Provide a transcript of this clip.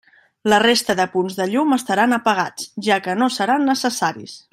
La resta de punts de llum estaran apagats, ja que no seran necessaris.